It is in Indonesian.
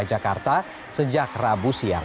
jakarta sejak rabu siang